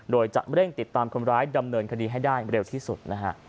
โดยจะเร่งติดตามคนร้ายดำเนินคดีให้ได้เร็วที่สุดนะฮะ